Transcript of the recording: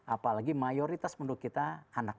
apalagi mayoritas menurut kita anak